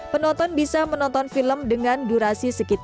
penonton bisa menonton film dengan durasi tiga menit